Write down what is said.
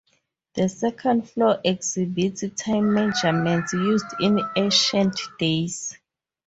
The second floor exhibits time measurements used in ancient days.